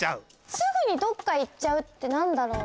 すぐにどっかいっちゃうってなんだろう？